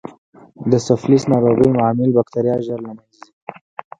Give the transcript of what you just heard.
د سفلیس ناروغۍ عامل بکټریا ژر له منځه ځي.